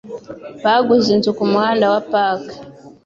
Baguze inzu kumuhanda wa Park.